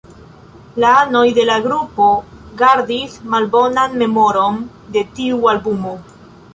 La anoj de la grupo gardis malbonan memoron de tiu albumo.